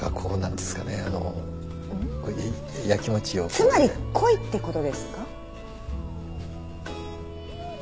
つまり恋ってことですか？